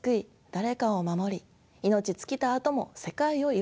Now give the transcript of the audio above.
誰かを守り命尽きたあとも世界を彩り続ける。